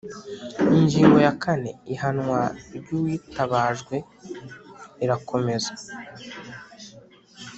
ingingo ya kane ihanwa ry uwitabajwe irakomeza